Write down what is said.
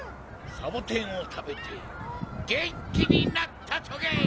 サボテンをたべてげんきになったトゲ！